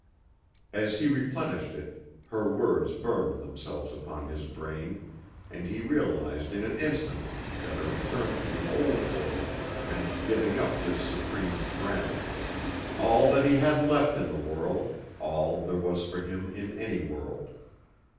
As he replenished it, her words burned themselves upon his brain, and he realized in an instant that a return to the old world meant giving up this supreme friend, all that he had left in the world, all there was for him in any world.